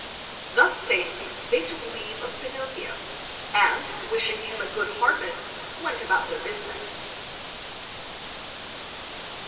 Thus saying they took leave of Pinocchio, and wishing him a good harvest went about their business.